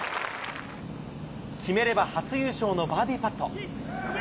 決めれば初優勝のバーディーパット。